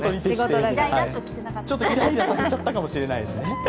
ちょっとイライラさせちゃったかもしれないですね。